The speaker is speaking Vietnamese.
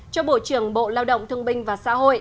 cho bộ trưởng bộ lao động thương binh và xã hội